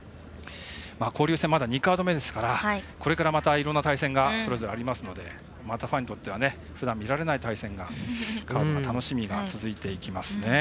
交流戦まだ２カード目ですからこれから、またいろんな対戦がそれぞれありますのでまた、ファンにとってはふだん見られない対戦、カード楽しみが続いていきますね。